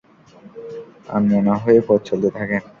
আনমনা হয়ে পথ চলতে থাকেন।